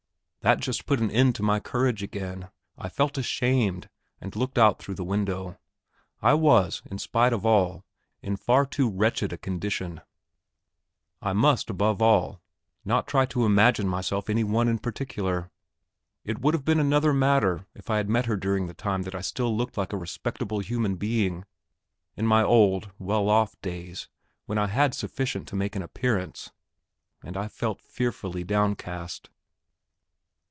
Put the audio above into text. That just put an end to my courage again; I felt ashamed, and looked out through the window. I was, in spite of all, in far too wretched a condition; I must, above all, not try to imagine myself any one in particular. It would have been another matter if I had met her during the time that I still looked like a respectable human being in my old, well off days when I had sufficient to make an appearance; and I felt fearfully downcast!